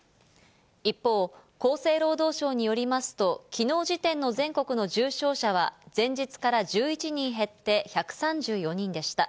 一方、厚生労働省によりますと、きのう時点の全国の重症者は、前日から１１人減って１３４人でした。